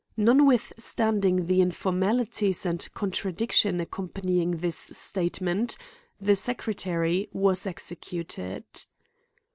Noth withstanding the informalities and contradiction accompanying his statement, the secretary was executed.